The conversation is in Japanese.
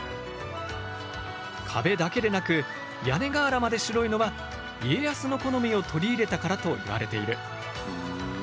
壁だけでなく屋根瓦まで白いのは家康の好みを取り入れたからといわれている。